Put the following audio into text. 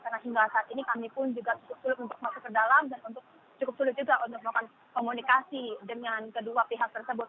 karena hingga saat ini kami pun juga cukup sulit untuk masuk ke dalam dan cukup sulit juga untuk melakukan komunikasi dengan kedua pihak tersebut